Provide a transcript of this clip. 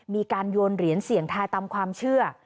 มีการโยนเหรียญเสี่ยงทายตามความเชื่อ